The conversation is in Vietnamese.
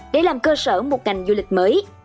để làm cơ sở một ngành du lịch mới